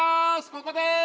ここです！